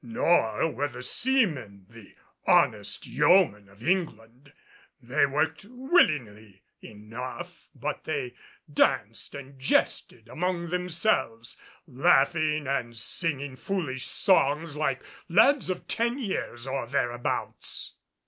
Nor were the seamen the honest yeomen of England. They worked willingly enough, but they danced and jested among themselves, laughing and singing foolish songs like lads of ten years or thereabouts.